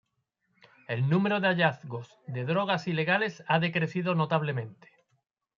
El número de hallazgos de drogas ilegales ha decrecido notablemente.